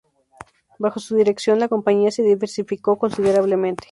Bajo su dirección, la compañía se diversificó considerablemente.